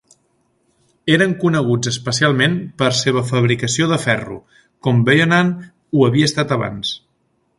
Eren coneguts especialment per seva fabricació de ferro, com Byeonhan ho havia estat abans.